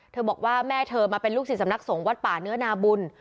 บอกว่าแม่เธอมาเป็นลูกศิษย์สำนักสงฆ์วัดป่าเนื้อนาบุญ